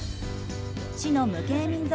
市の無形民俗